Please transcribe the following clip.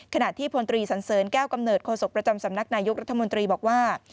ขณะที่พลตรีสันเสริญแก้วกำเนิดโศกประจำสำนักนายกรัฐมนตรีบอกว่า